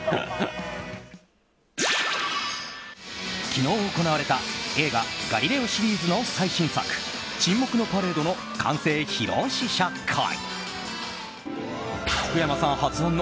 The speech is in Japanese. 昨日行われた映画「ガリレオ」シリーズの最新作「沈黙のパレード」の完成披露試写会。